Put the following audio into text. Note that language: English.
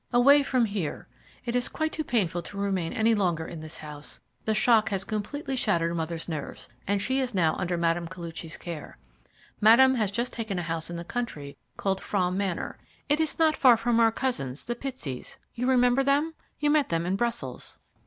"Away from here. It is quite too painful to remain any longer in this house. The shock has completely shattered mother's nerves, and she is now under Mme. Koluchy's care. Madame has just taken a house in the country called Frome Manor it is not far from our cousins, the Pitseys you remember them? You met them in Brussels."